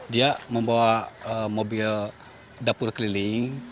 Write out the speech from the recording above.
dia membawa mobil dapur keliling